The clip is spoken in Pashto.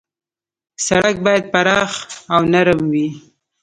سړک باید پراخ او نرم وي.